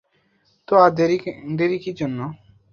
তো আর দেরী কী জন্যে?